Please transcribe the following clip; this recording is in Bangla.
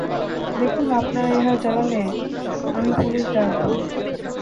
দেখুন আপনারা এভাবে জ্বালালে, আমি পুলিশ ডাকবো।